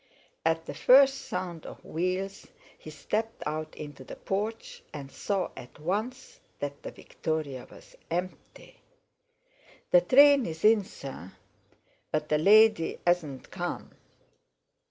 At the first sound of wheels he stepped out into the porch, and saw at once that the victoria was empty. "The train's in, sir; but the lady 'asn't come."